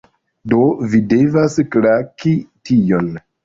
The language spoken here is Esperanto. Do, vi devas klaki tion